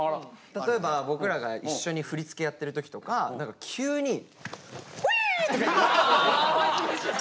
例えば僕らが一緒に振り付けやってる時とか何か急に「ウィー！」とか言って。